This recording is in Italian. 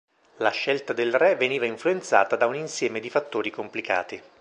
La scelta del re veniva influenzata da un insieme di fattori complicati.